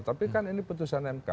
tapi kan ini putusan mk